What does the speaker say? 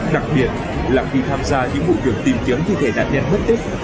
đặc biệt là khi tham gia những vụ kiểm tìm kiếm thi thể nạn nét bất tích